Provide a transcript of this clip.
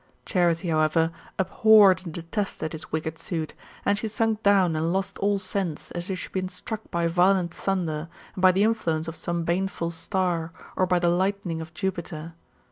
Charite, however, abhorred and detested his wicked suit, and she sunk down and lost all sense, as if she had been struck by violent thunder, and by the influence of some baneful star, or by fhe lightning of Jupiter.